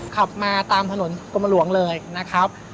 ขับมาตามถนนกรมหลวงเลยนะครับ